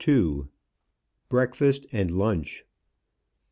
BREAKFAST AND LUNCH.